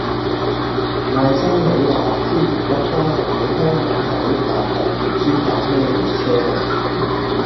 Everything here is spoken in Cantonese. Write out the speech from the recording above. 外甥女話知湖北街係喺香港仔但係唔知搭咩野車去